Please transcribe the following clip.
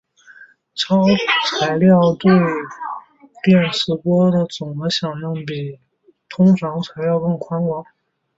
超材料对电磁波的总的响应比通常材料更宽广。